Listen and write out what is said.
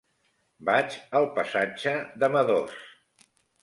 Vaig al passatge de Madoz.